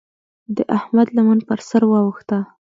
د احمد لمن پر سر واوښته.